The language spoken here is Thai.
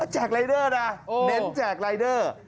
แจกลายเดอร์นะเด้นแจกลายเดอร์